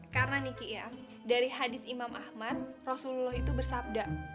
karena nih ki ya dari hadis imam ahmad rasulullah itu bersabda